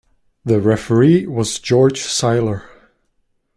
The referee was George Siler.